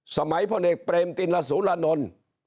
สมัยพ่อเนกเปรมตินละสุละนน